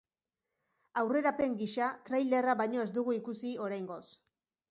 Aurrerapen gisa, trailerra baino ez dugu ikusi, oraingoz.